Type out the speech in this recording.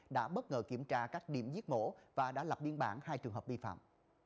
đã bất ngờ kiểm tra các điểm giết mổ và đã lập biên bản hai trường hợp vi phạm